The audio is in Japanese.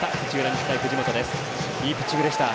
日大、藤本いいピッチングでした。